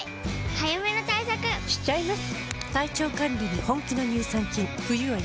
早めの対策しちゃいます。